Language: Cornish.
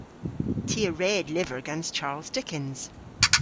Ty a red lyver gans Charles Dickens.